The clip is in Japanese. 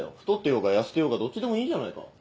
太ってようが痩せてようがどっちでもいいじゃないか。